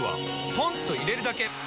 ポンと入れるだけ！